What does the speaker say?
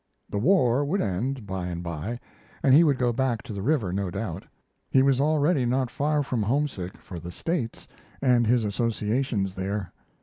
The war would end, by and by, and he would go back to the river, no doubt. He was already not far from homesick for the "States" and his associations there.